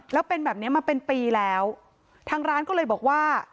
แล้วเป็นแบบเนี้ยมาเป็นปีแล้วทางร้านก็เลยบอกว่า